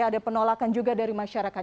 ada penolakan juga dari masyarakat